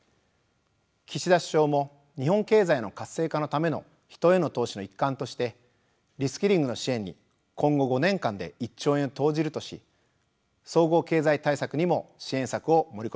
岸田首相も日本経済の活性化のための人への投資の一環としてリスキリングの支援に今後５年間で１兆円を投じるとし総合経済対策にも支援策を盛り込みました。